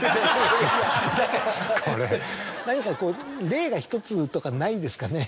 何か例が１つとかないですかね。